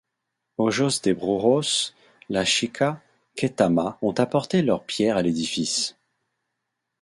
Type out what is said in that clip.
Ojos de Brujo, la Shica, Ketama ont apporté leur pierre à l'édifice.